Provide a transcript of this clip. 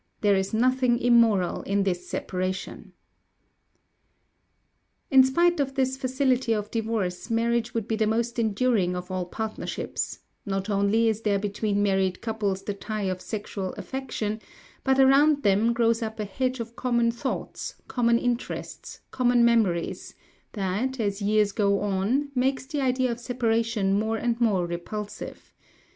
There is nothing immoral in this separation" (Notes on "Queen Mab"). In spite of this facility of divorce, marriage would be the most enduring of all partnerships; not only is there between married couples the tie of sexual affection, but around them grows up a hedge of common thoughts, common interests, common memories, that, as years go on, makes the idea of separation more and more repulsive.